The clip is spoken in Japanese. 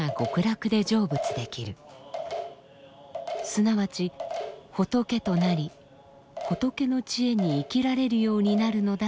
すなわち仏となり仏の知恵に生きられるようになるのだと説きました。